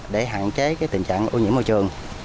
để hạn chế tình trạng ô nhiễm môi trường